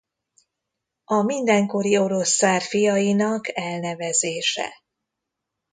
A mindenkori orosz cár fiainak elnevezése.